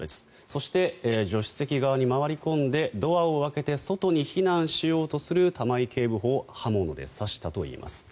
そして助手席側に回り込んでドアを開けて外に避難しようとする玉井警部補を刃物で刺したといいます。